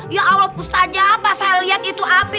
ya allah ustazah apa saya liat itu api